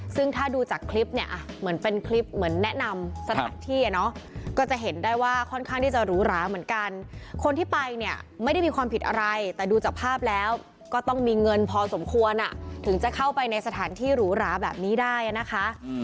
ซึ่งถ้าดูจากคลิปเนี่ยเหมือนเป็นคลิปเหมือนแนะนำสถานที่อ่ะเนาะก็จะเห็นได้ว่าค่อนข้างที่จะหรูหราเหมือนกันคนที่ไปเนี่ยไม่ได้มีความผิดอะไรแต่ดูจากภาพแล้วก็ต้องมีเงินพอสมควรถึงจะเข้าไปในสถานที่หรูหราแบบนี้ได้นะคะ